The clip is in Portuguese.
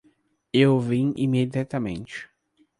Eu vim imediatamente.